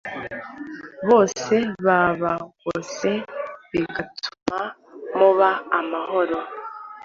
bose babagose bigatuma muba amahoro